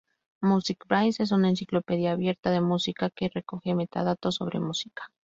MusicBrainz es una enciclopedia abierta de música que recoge metadatos sobre música.